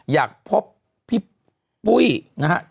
อยากพบพี่ปุ้ยนะครับ